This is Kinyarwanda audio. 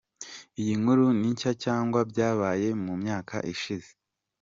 Iyi nkuru ni nshya cg byabaye mu myaka ishize?.